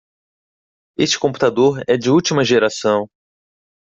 Este computador é de última geração.